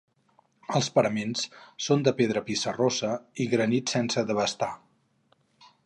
Els paraments són de pedra pissarrosa i granit sense desbastar.